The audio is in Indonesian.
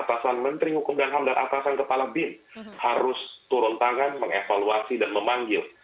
atasan menteri hukum dan ham dan atasan kepala bin harus turun tangan mengevaluasi dan memanggil